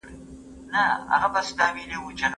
تاسو د خپلي خوښي کتابونه په اسانۍ سره موندلی سئ.